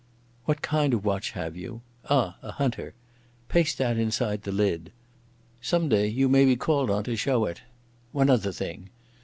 "What kind of watch have you? Ah, a hunter. Paste that inside the lid. Some day you may be called on to show it.... One other thing.